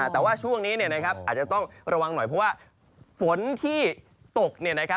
แต่ว่าช่วงนี้อาจจะต้องระวังหน่อยเพราะว่าฝนที่ตก